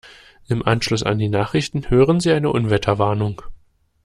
Im Anschluss an die Nachrichten hören Sie eine Unwetterwarnung.